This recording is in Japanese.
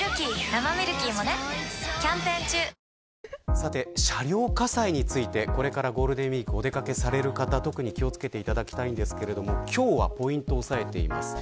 さて、車両火災についてこれからゴールデンウイークお出掛けされる方特に気を付けていただきたいですが今日はポイントを押さえています。